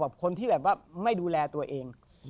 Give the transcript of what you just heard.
แบบคนที่ไม่ดูแลตัวเอง